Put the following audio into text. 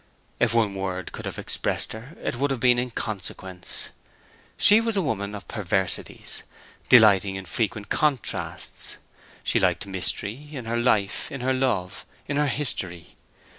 If one word could have expressed her it would have been Inconsequence. She was a woman of perversities, delighting in frequent contrasts. She liked mystery, in her life, in her love, in her history.